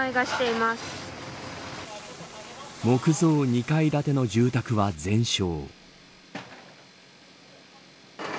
木造２階建ての住宅は全焼。